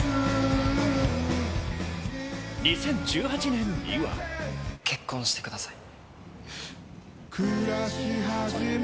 ２０１８年には。結婚してください。